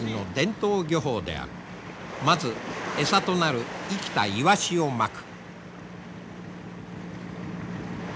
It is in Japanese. まず餌となる生きたイワシをまく。